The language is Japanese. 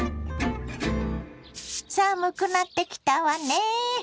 寒くなってきたわね。